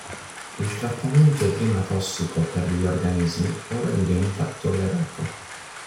Il trattamento prima tossico per gli organismi ora diventa tollerato.